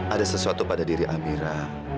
ada sesuatu pada diri amira